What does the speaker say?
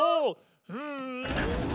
うん！